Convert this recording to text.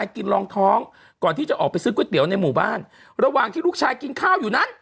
กินรองท้องก่อนที่จะออกไปซื้อก๋วยเตี๋ยวในหมู่บ้านระหว่างที่ลูกชายกินข้าวอยู่นั้น